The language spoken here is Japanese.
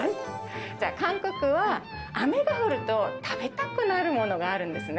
じゃあ、韓国は、雨が降ると食べたくなるものがあるんですね。